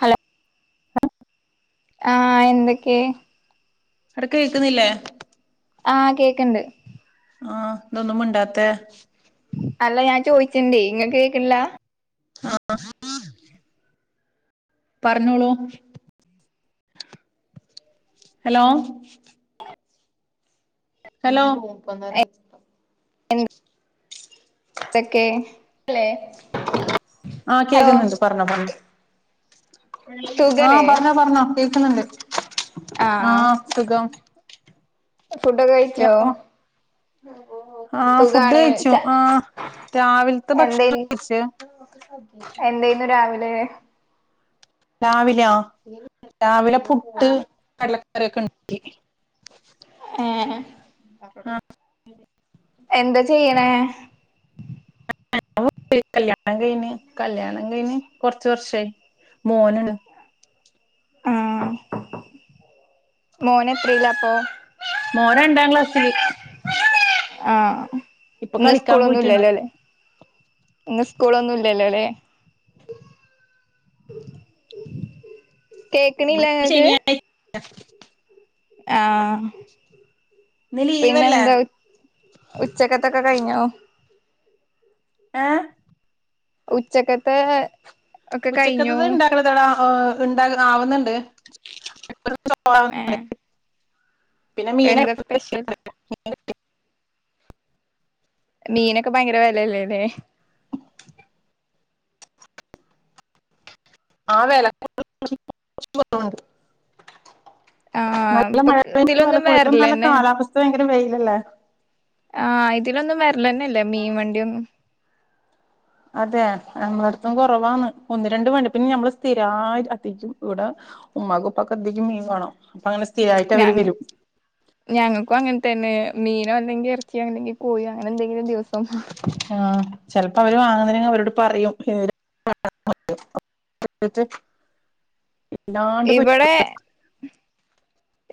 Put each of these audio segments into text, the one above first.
Hello ആഹ് എന്തൊക്കെ എടക്ക്‌ കേക്ക്‌ന്നില്ലേ ആഹ് കേക്ക്ണ്ട് ആഹ് ന്താ ഒന്നും മിണ്ടാത്തെ അല്ല ഞാൻ ചോയിച്ചിണ്ടെ ഇങ്ങക്ക് കേക്ക്‌ണില്ല ആ പറഞ്ഞോളൂ ഹലോ ഹലോ എന്ത്‌ തൊക്കെ ല്ലേ ആഹ് ഹലോ കേക്ക്‌ന്ന്ണ്ട് പറഞ്ഞോ പറഞ്ഞോ സുഖല്ലേ ആഹ് പറഞ്ഞോ പറഞ്ഞോ ക്ക്‌ന്ന്ണ്ട് ആഹ് സുഖം ഫുഡ്ഒക്കെ കഴിച്ചോ ഉം ആഹ് ഫുഡ് സുഖാണ് കയിച്ചു ച ആ രാവിൽത്തെ ഭക്ഷണം കയിച്ച് ആ എന്തായിന്നു രാവിലെ രാവിലെയോ രാവിലെ പു പുട്ട് ആഹ് കടല അരക്കാണങ്കി ഏഹ് ആഹ് എന്താ ചെയ്യ്ണേ [unintelligible] കല്യാണം കഴിഞ് കല്യാണം കഴിഞ് കൊറച്ച് വർഷായി മോനാണ് ആഹ് മോനെത്രേലാപ്പം മോൻ രണ്ടാം ക്ലാസില് ആഹ് ഇന്ന് കളിക്കാൻ പോയിട്ടുണ്ട് സ്കൂളൊന്നുല്ലല്ലോലേ ഇന്ന് സ്കൂളൊന്നും ഇല്ലല്ലോ ലേ കേക്ക്ണില്ലേ ഇന്ന് ഇങ്ങക്ക് ശനിയാഴ്ച [unintelligible] ആഹ് ഇന്ന് ലീവല്ലേ പിന്നെന്താ ഉച് ഉച്ചക്കത്തൊക്കെ കഴിഞ്ഞോ ഏ ഉച്ചക്കത്തേ ഉച്ചക്കത്തത്ണ്ട [unintelligible] ഓ ഇണ്ടാ ആവുന്നുണ്ട് ഏ [unintelligible] പിന്നെ മീനെ എന്താ സ്പെഷ്യൽ [unintelligible] [inaudible] മീനൊക്കെ ഭയങ്കര വെലല്ലേ ല്ലേ ആ വെല [unintelligible] ആ ഇപ്പൊ [unintelligible] ഇതിലൊന്നും കൂടും ഇപ്പം നല്ല വെര്ലെന്നെ കാലാവസ്ഥ ഭയങ്കര വെയിലല്ലേ ആ ഇതിലൊന്നും വെര്ലെന്നെല്ലേ മീൻ വണ്ടിയൊന്നും- അതെ നമ്മളടത്തും കൊറവാന്ന് ഒന്ന് രണ്ട് മണി പിന്നെ ഞമ്മള് സ്ഥിരായിട്ട് യെത്തിക്കും ഇവിട ഉമ്മാക്കും ഉപ്പാക്കും എന്തേലും മീൻ വേണം അപ്പ അങ്ങനെ സ് സ്ഥിരായിട്ട് ഞ അവര് വരും ഞങ്ങൾക്കും അങ്ങനെ തന്നെ മീനോ അല്ലെങ്കി എറച്ചി അല്ലങ്കി കോഴി അങ്ങനെന്തെങ്കിലും ദിവസം [unintelligible] ചെലപ്പോ അവര് വാങ്ങുന്നില്ലെങ്കി അവരോട് പറയും [unintelligible] ന്നാണ്ട് പ ഇവിടെ [unintelligible]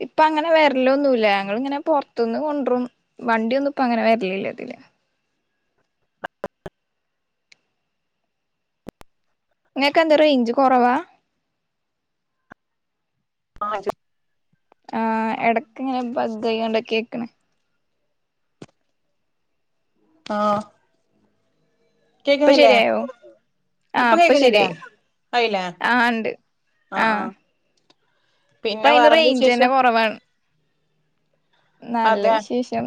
ഇപ്പ അങ്ങനെ വര്ലൊന്നുല്ല ഞങ്ങളിങ്ങനെ പൊറത്ത്ന്ന് കൊണ്ട്രും വണ്ടിയൊന്നും ഇപ്പ അങ്ങനെ വര്ലില്ല ഇതിലെ നിങ്ങക്ക് എന്താ റേഞ്ച് കൊറവാ [inaudible] ആ എടക്ക് ഇങ്ങനെ ബഗ്ഗ് ആയാണ്ട കേക്ണെ ആ ഇപ്പ കേക്കുന്നില്ലേ ശരിയയോ ആ ഇപ്പം ഇപ്പ കേക്കുന്നില്ലേ ശരിയായി ആയില്ലേ ആ ആ ഉണ്ട് ആ പിന്നെ ഇപ്പയ്ന് വേറെന്താ വിശേഷം റൈഞ്ചെന്നെ കൊറവാണ്. നല്ല അതെ വിശേഷം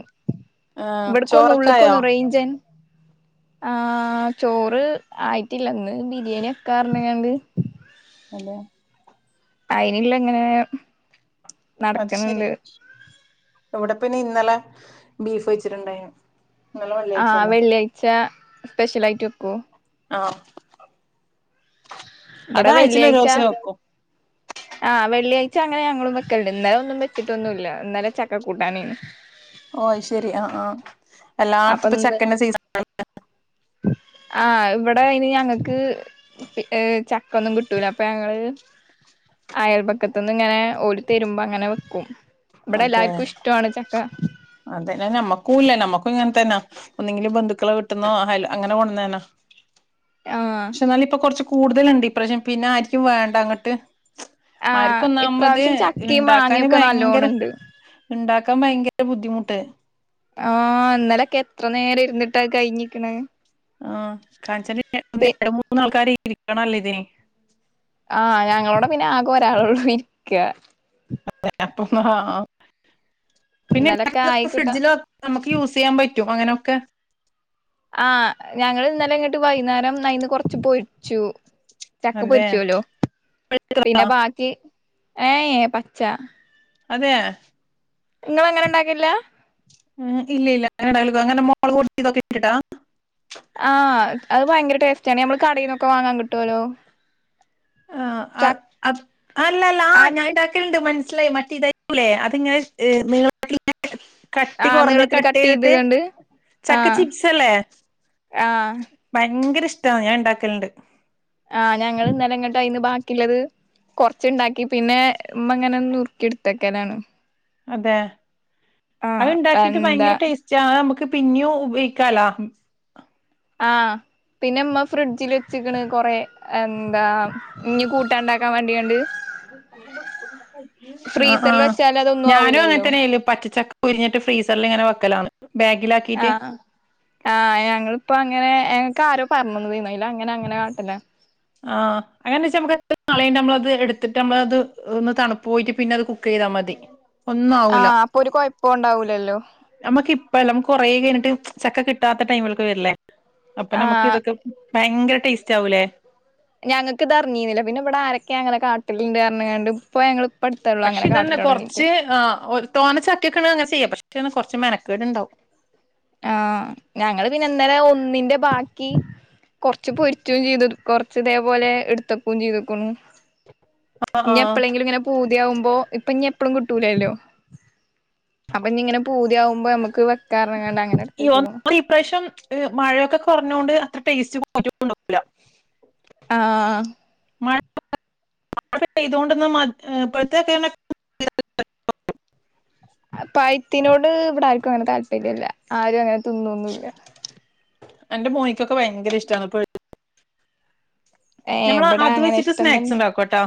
ആ ഇവട്ക്കൊന്നു ചോറൊക്കായോ ഉള്ള്ക്കൊന്നു റൈഞ്ചെൻ ആഹ് ചോറ് ആയിട്ടില്ല ഇന്ന് ബിരിയാണി വെക്കാർഞ്ഞ്ങ്ങാണ്ട് അല്ലെ അയ്നില്ലങ്ങനെ അത് ശെരി ഇവടെപ്പയ്ന് ഇന്നലെ ബീഫ് വെച്ചിട്ടുണ്ടായിനു. ആഹ് വെള്ളിയാഴ്ച സ്പെഷ്യലായിട്ട് വെക്കോ? ആഹ് ഇബടെ അത് ആഴ്ചയിൽ ഒരു വെള്ളിയാഴ്ച ദിവസേ വെക്കും ആഹ് വെള്ളിയായ് ച്ച അങ്ങനെ ഞങ്ങളും വെക്കലണ്ട് ഇന്നലെ ഒന്നും വെച്ചിട്ടൊന്നുല്ല ഇന്നലെ ചക്ക കൂട്ടാനേനു. ഓയ് അഅ് ശെരി ആഹ് ആഹ് അപ്പൊ എല്ലാട്ത്തുപ്പ ഇന്ന് ചക്കന്റെ സീസ [unintelligible] ഇവടെ അയ്ന് ഞങ്ങക്ക് അ് ചക്കൊന്നും കിട്ടൂല അപ്പൊ ഞങ്ങള് അയൽപക്കത്ത്ന്ന് ങ്ങനെ ഓല്ത്തരുമ്പങ്ങനെ വെക്കും. ഇവിടെ അതെ എല്ലാർക്കും ഇഷ്ടമാണ് ചക്ക അതെ ന നമ്മക്കൂല്ല നമ്മ ഇപ്പ ങ്ങൻതന്നാ ഒന്നെങ്കില് ബന്ധുക്കളെ വീട്ട്ന്നോ ഹൽ അങ്ങനെ കൊണ്ടന്നെന. ആഹ് ക്ഷേ ന്നാല് പ്പൊ കൊറ്ച്ച് കൂടുതലും ഡിപ്രഷൻ പിന്നെ ആരിക്കും വേണ്ട ങ്ങട്ട് ആഹ് ഇപ്രാവശ്യം ചക്കയും ഇണ്ടാക്കാന് മാങ്ങയൊക്കെ ഭയങ്കര നല്ലോണം ണ്ട് ഇണ്ടാക്കാൻ ഭയങ്ക ട്ട് ബുദ്ധിമുട്ട് ആഹ് ഇന്നലൊക്കെ എത്ര നേരം ഇരുന്നിട്ടാ കഴിഞ്ഞിക്ക്ണ് ആഹ് കാഞ്ച [unintelligible] മൂന്നാൾക്കാര് ക്കണല്ലോ ഇതിന് ആ ഞങ്ങളോട് പിന്നെ അ രാളോട് ഇരിക്കാ [inaudible] ആ [inaudible] ഇന്നലൊക്കെ ആയി കിട്ടാ ഫ്രിഡ്ജിൽ വെക്കാൻ നമുക്ക് യൂസ് ചെയ്യാൻ പ റ്റും അങ്ങനൊക്കെ ആ ഞങ്ങള് ഇന്നലെ ഇങ്ങട്ട് വൈകുന്നേരം ന്നായി കൊറച്ച് പൊരിച്ചു ചക്ക അതെ പൊരീക്കുലോ പിന്നെ പഴുത്തതാ? ബാക്കീ ഏയ് പച്ച അതേ ഇങ്ങളങ്ങനെ ഇണ്ടാക്കലില്ല മ് ഇല്ലില്ല [inaudible] ആഹ് അത് ഭയ്ങ്കര ടേസ്റ്റാണ് ഞമ്മള കടേന്നൊക്കെ വാങ്ങാൻ കിട്ടുവല്ലോ. ആഹ് അ ച അത് അല്ലല്ലാ ആ ഞാനിണ്ടാക്കലിണ്ട് മൻ സ്സിലായി മറ്റേ ഇതാക്കുല്ലേ അതിങ്ങനെ നീളത്തില് [unintelligible] കട്ടി ആ കൊറഞ്ഞ് നീളത്തിൽ കട്ട്‌ കട്ട് ചെയ്തിട്ട് ചെയ്ത്കണ്ട് ചക്ക ആഹ് ചിപ്സ് അല്ലെ ആഹ് ഭയങ്കര ഇഷ് ട്ടാണ് ഞാൻ ഇണ്ടാക്കലിണ്ട്. ആഹ് ഞങ്ങളിന്നലെ ഇങ്ങട്ട് അതീന്ന് ബാ ക്കിള്ളത് കൊറച്ചിണ്ടാക്കി പിന്നെ ഉമ്മ ഇങ്ങനെ നുറുക്കി എടുത്തു വെക്കലാണ് അതേ അതിണ്ടാക്കിയട്ട് എന്താ ഭയങ്കര ടേസ്റ്റാ അത് നമുക്ക് പിന്നേ ഉപയോഗിക്കാലാ ആഹ് പിന്നെ ഉമ്മ ഫ്രിഡ്ജില് വെച്ചേക്കണ് കൊറേ. ഇം എന്താ ഇനി കൂട്ടാൻ ഇണ്ടാക്കാൻ വേണ്ടിയണ്ട് അ ഫ്രീസറിൽ ആഹ് വെച്ചാൽ അതൊന്നും ഞാനും ആവൂലല്ലോ അങ്ങനെതന്നേ ചെയ്യല് പച്ചച്ചക്ക ഉരിഞ്ഞട്ട് ഫ്രീസറില് ഇങ്ങനെ വെ ക്കലാണ്. ആ ആ ഞങ്ങളെ ഇപ്പൊ അങ്ങനെ എനിക്ക് ആരോ പറഞ്ഞുതന്നത് ആയിരുന്നെ പിന്നെ അങ്ങനെ അങ്ങനെ [unintelligible] ആ അങ്ങനെച്ച നമ്മുക്ക് [unintelligible] എത്ര നാളായിട്ടും നമ്മളെ അത് ഇടുത്തിടെ നമ്മളെ അതെ തണുപ്പേ പോയിട്ട് പിന്നെ അത് കുക്ക് ചെയ്യാത്ത മതി ഒന്നും ആ ആവൂല അപ്പൊ ഒരു കുഴ ഴപ്പം ഉണ്ടാവില്ലാലോ നമ്മുക്ക് യിപ്പാ അല്ല കുറെ കഴിഞ്ഞിടെ ചക്ക കിട്ടാത്ത ടൈംളെ വരില്ലേ അപ്പൊ നമ്മുക്ക് ആഹ് ഇതേ ഓക്കേ ഭയ ടെസ്റ്റ്‌ ആവുല്ല ഞങ്ങൾക്ക് ഇത് അറിഞ്ഞിനില്ല പിന്നെ ഇവിടെ ആരൊക്കെ അങ്ങനെ കാട്ടല് ഇന്ടെന്നെ പറഞ്ഞുങ്ങടെ ഇപ്പൊ ഞങ്ങൾ പക്ഷെ ഇത് തന്നെ കുറച്ചേ ആ ഒരു തോന്ന ചക്കക്ക് അങ്ങനെ ചെയ പക്ഷെ [unintelligible] കുറച് മെനകടെ ഇണ്ടാവും ആഹ് ഞങ്ങള് പിന്നെ ഇന്നലെ ഒന്നിന്റെ ബാക്കി കുറച്ചു പൊരിച്ചു ചെയെത്തത് കുറച് ഇത് പോലെ ഇടുത്തുവെക്ക് ചെയെത്താക്കന്നു ആഹ് ഇനി ആഹ് എപ്പോഴെങ്കിലും പു ത്തി ആവുപോ ഇപ്പൊ ഇനി എപ്പോഴും കിട്ടില്ലലോ അപ്പൊ ഇനി ഇങ്ങനെ പുതി ആവുമ്പോൾ നമ്മുക്ക് വേകാന്ന് [unintelligible] [unintelligible] ഇപ്രാവശ്യം മഴയൊക്കെ കുറഞ്ഞോട് അത്ര ടെസ്റ്റ്‌ [unintelligible] [unintelligible] ആഹ് മ മഴ പെയ്യെത്തോടെ [unintelligible] ആ പാഴ്യത്തിനോടെ ഇവിടെ ആരെക്കും അങ്ങനെ താല്പര്യമില് ആരും അങ്ങനെ തിന്നൊന്ന് ഇല്ല എന്റെ മോനേക്കൊക്കെ ഭയകര ഇഷ്ട്ടന്ന് പ ഏഹ് നമ്മളെ ഇവിടെ അത് അങ്ങനെ വെച്ചിടെ ഇഷ്ടം സ്‌നേക്സ് തന്നെ ഇണ്ടാകുട്ടോ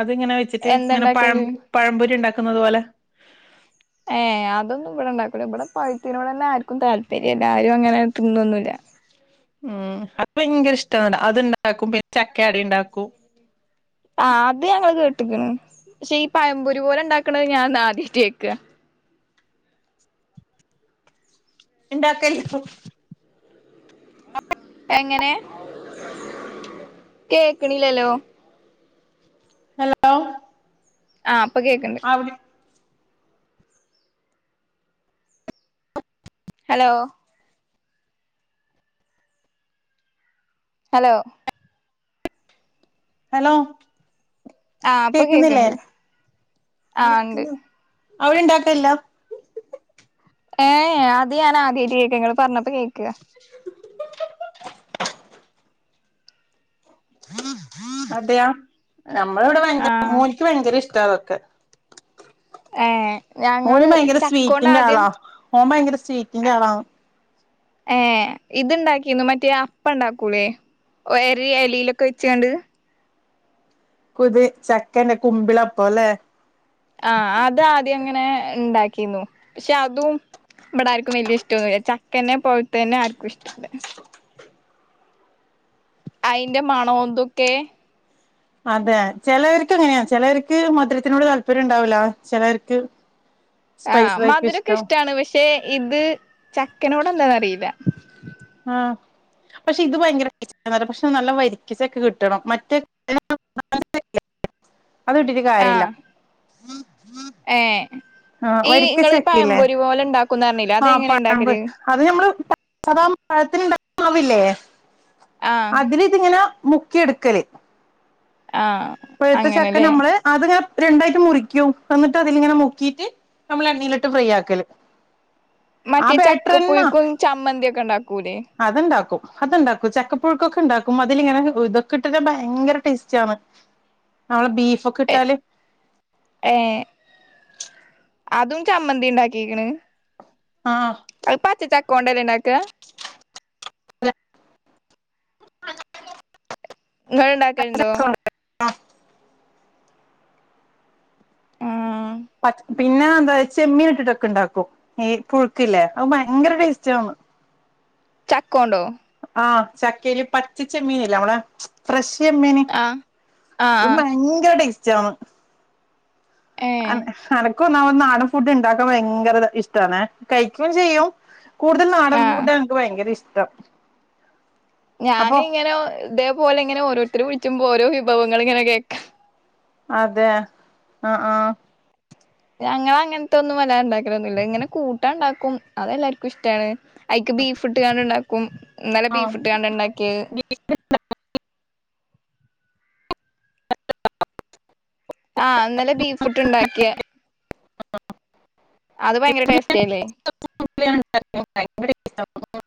അത് ഇങ്ങനെ വെച്ചിട് എന്താ ഇങ്ങനെ പഴം ഇണ്ടാക്കല് പഴംപൊരി ഇണ്ടാക്കാന്പോലെ അതെയൊന്നും ഇവിടെ ഉണ്ടാകുല ഇവിടെ പഴത്തതിനോട് തന്നെ താല്പര്യല്ല ആരും അങ്ങനെ തിന്നാന്നുമില്ല ഉം അപ്പൊ എനിക്ക് ഇഷ്ട്ടന്നെ അതു ഇന്ടാകുപ്പോൾ ചക്ക അട ഇണ്ടാകും ആ അത് ഞങ്ങൾ കേട്ടുകന്നെ ഈ പഴംപൊരി പോലെ ഉണ്ടാകുന്ന ഞൻ ആദ്യയി കേൾക്ക ഇണ്ടാക്കല്ല [unintelligible] എങ്ങനെ കേൾക്കണ്ണില്ലല്ലോ ഹലോ ആ ഇപ്പൊ കേൾക്കണ്ടേ അവിടെ ഹലോ ഹലോ ഹലോ ആ ഇപ്പൊ കേക്കുന്നില്ലേ കേൾക്കണ്ടേ ആ ഇണ്ട് വിളിക്കുന്നു അവിടെ ഇണ്ടാക്കല്ലേയില്ല ഏ അത് ഞാൻ ആദ്യായിട്ട് കേൾക്ക ഇങ്ങള് പറഞ്ഞപ്പ കേൾക്ക അതെയ നമ്മളെ ഇവിടെ ഭയങ്കര ആഹ് മോനേക്ക് ഭയങ്കര ഇഷ് ട്ടം അതൊക്കെ ഏ മോന് ഞങ്ങളെ ഭയങ്കര ചക്കണോട്ടെ സ്വീറ്റിന്റെ ആദ്യം ആളാ [unintelligible] എ.. ഇത് ഉണ്ടാക്കിന് മറ്റേ അപ്പം ഉണ്ടാക്കൂല്ലേ വേറെ ഇലലെ ക്കെ വെച്ചുകൊണ്ട് കുത് ചക്കന്റെ കുമ്പിളപ്പല്ലേ ആഹ അത് ആദ്യങ്ങനെ ഉണ്ടാക്കിന്നു പക്ഷെ അതും ഇവിടെർക്കും വല്ല്യ ഇഷ്ടയെ ചക്ക് തന്നെ പോയതന്നെ ആർക്കും ഇഷ്ടല്ല അയിന്റെ മണൊതൊ ക്കെ അതെ ചിലവർക്ക് ഇങ്ങനെയാ ചിലവർക്ക് മധുരത്തിനോട് താല്പര്യം ഉണ്ടാവൂല ചിലവർക്ക് ആഹ് സ്പൈസതായിരിക്കും മധുരൊക്കെ ഇഷ്ടം ഇഷ്ടമാണ് പക്ഷെ ഇത് ചക്കനോട് എന്താന്നറിയില്ല ആഹ പക്ഷെ ഇത് ഭയങ്കര [unintelligible] പക്ഷെ നല്ല വരിക്കച്ചൊക്കെ കിട്ടണം മറ്റ [unintelligible] ല്ലേ അത് ഇട്ടിട്ട് കാര്യല്ല ഏ ആഹ് ഈ വരിക്ക ഇങ്ങള് ചക്കില്ലേ പയമ്പൂരി പോലെ ണ്ടാക്കും പറിഞ്ഞിലെ അതങ്ങനെ ഉണ്ടാക്കല് സതാ പഴത്തിന്ണ്ടാ [unintelligible] മാവില്ലേ ആഹ് അതിനെ ഇത് ങ്ങനാ മുക്കിയെടുക്കല് ആഹ് പഴുത്ത ചക്ക അങ്ങനെല്ലേ നമ്മൾ അത് രണ്ടായിട്ട് മുറിക്കും എന്നിട് അതിൽ ഇങ്ങനെ മുക്കിയിട്ട് നമ്മൾ എണ്ണയിലിട്ട് ഫ്രൈ ആക്കല്ലേ മറ്റേ ചക്ക പുഴുക്കും ചമ്മന്തി ഒക്കെ ഉണ്ടാക്കൂലെ അത്ണ്ടാക്കും അത്ണ്ടാക്കും ചക്ക പുഴുക്കൊക്കെണ്ടാക്കും അതിലിങ്ങനെ ഇതൊക്കെ ഇട്ടിട്ട് ഭയങ്കര ടേസ്റ്റ ആണ് നളെ ബീഫ് [unintelligible] കിട്ടാലെ ഏഹ് അതും ചമ്മന്തി ഉണ്ടാക്കിയിരിക്കണ് ആഹ് [unintelligible] കൊണ്ടല്ലനക്ക്െ [unintelligible] ഇങ്ങള് ഉണ്ടാക്കാലുണ്ടോ വഫ ആഹ പിന്നെ എന്താ ചെമ്മീൻ ഇട്ടിട്ടൊക്കെ ഇണ്ടാക്കും ഈ പുഴുക്കല്ലേ അത് ഭയങ്കര ടേസ്റ്റ് ആണ് ചക്കോണ്ടോ ആഹ ചക്കൽ പച്ചിച്ച മീനല്ല നമ്മള ഫ്രഷ് മ്മേന ആഹ് ആഹ് അത് ആഹ് ഭയങ്കര ചം അ ഏഹ് അനക്ക ന്ന നാടൻ ഫുഡ് ഇണ്ടാക്കാൻ ഭയങ്കര ഇഷ്ടമാണ് കഴിക്കയും ചെയ്യും കൂടുതൽ നാടൻ ആഹ് ഫുഡ് ആണ് എക്ക് ഭയങ്കര ഇഷ് ത ഞാന ഇങ്ങനെ ഒഇതേ പോലെ ഇങ്ങനെ ഓരോ രുത്തരെ വിളിച്ചുമ്പോ ഓരോ വിഭവങ്ങൾ ഇങ്ങനെ കേൾക്കാം. അതെ, ആഹ ആഹ ഞങ്ങള് അങ്ങനത്തെൊന്നും വലുതായിട്ട് ഉണ്ടാക്കലൊന്നുമില്ല, ഇങ്ങനെ കൂട്ടാൻ ഉണ്ടാക്കും, അതെല്ലാർക്കും ഇഷ്ടമാണ് അഐക്ക് ബീഫ് ഇട്ട് കാണ് ഉണ്ടാക്കും. നല്ല ബീഫുട്ട് കണ്ട ഇണ്ടാക്കിയത്. ആഹ് ഇന്നലെ ബീഫുട്ട് ഉണ്ടാക്കിയ. അത് ഭയങ്കര ആഹ് ടേസ്റ്റ ആല്ലേ? [unintelligible]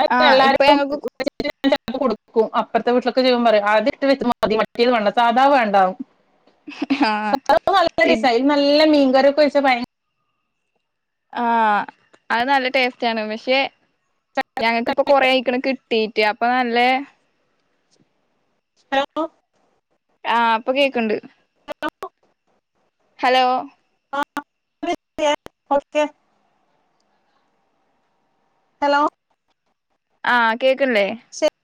അ ആഹ് ഇപ്പൊ എല്ലാരക്കും [inaudible] ഞങ്ങൾക്ക് ൻ്റെഅമ്മ കൊടുക്കും അപ്പുറത്തെ വീട്ടിലക്കെ ചെല്ലുമ്പം പറയും അതട്ട് മതിമറ്റേത് വേണ്ട സാധാ വേണ്ടാവും. ആഹ് [unintelligible] നല്ല ഇപ് ഡിസൈൻ നല്ല മീൻ. [unintelligible] പയ ആഹ അത് നല്ല ടേസ്റ്റ് ആണ് പക്ഷെ ഞങ്ങക്കിപ്പൊ കൊറെ ആയിരിക്കണ് കിട്ടീറ്റ് അപ്പൊ നല്ല ഹലോ ആഹ അപ്പൊ കേക്കണ്ട് ഹലോ ആ ഓക്കെ ഹലോ ആഹ കേക്കണില്ലെ?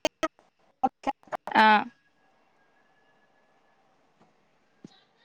[unintelligible] ഓക്കേ. ആഹ